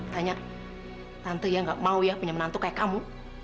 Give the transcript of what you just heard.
tanya tante yang nggak mau ya punya menantu kayak kamu